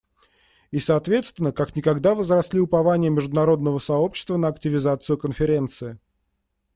И соответственно, как никогда возросли упования международного сообщества на активизацию Конференции.